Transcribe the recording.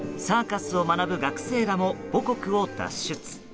サーカスを学ぶ学生らも母国を脱出。